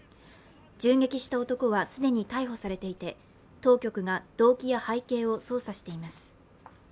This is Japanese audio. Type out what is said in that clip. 銃撃した男は既に逮捕されていて当局が動機や背景を捜査しています。